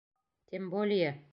Тем более!